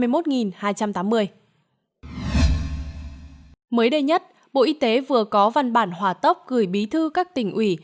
mới đây nhất bộ y tế vừa có văn bản hòa tốc gửi bí thư các tỉnh ủy